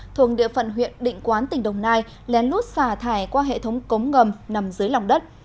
thuộc địa phận huyện định quán tỉnh đồng nai lén lút xả thải qua hệ thống cống ngầm nằm dưới lòng đất